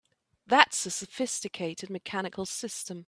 That's a sophisticated mechanical system!